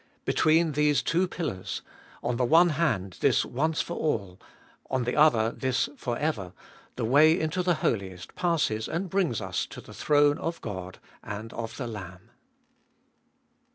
Between these two pillars — on the one hand, this ONCE FOR ALL, on the other this FOR EVER, the way into the Holiest passes and brings us to the throne of God and of the Lamb.